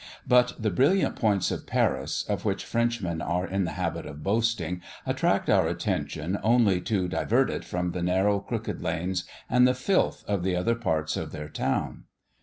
But the brilliant points of Paris, of which Frenchmen are in the habit of boasting, attract our attention only to divert it from the narrow crooked lanes, and the filth of the other parts of their town.